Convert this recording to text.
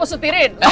kamu mau sutirin